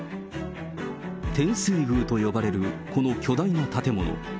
天正宮と呼ばれる、この巨大な建物。